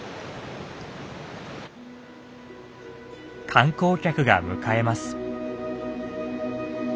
観光客が迎えます。